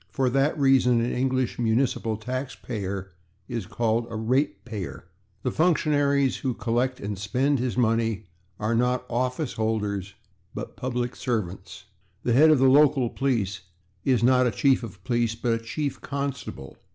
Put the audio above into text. For that reason an English municipal taxpayer is called a /ratepayer/. The functionaries who collect and spend his money are not /office holders/ but /public servants/. The head of the local police is not a /chief of police/, but a /chief constable